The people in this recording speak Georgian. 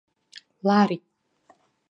ლარი